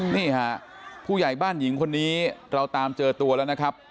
นี่ค่ะผู้ใหญ่บ้านหญิงคนนี้เราตามเจอตัวแล้วนะครับ